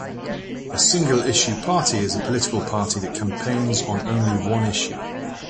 A single-issue party is a political party that campaigns on only one issue.